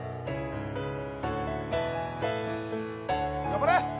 頑張れ！